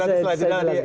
nanti saya jelasin lagi